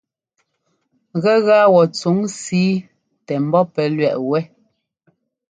Gɛgaa wɔ tsuŋ síi tɛ ḿbɔ́ pɛ́ lẅɛꞌ wɛ́.